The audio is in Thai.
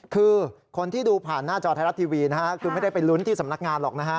คือคนที่ดูผ่านหน้าจอไทยรัฐทีวีนะฮะคือไม่ได้ไปลุ้นที่สำนักงานหรอกนะฮะ